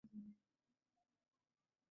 আমরা বেশি পরিশ্রম করছি।